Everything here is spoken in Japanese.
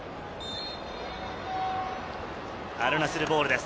アルナスルボールです。